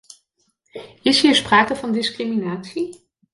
Is hier sprake van discriminatie?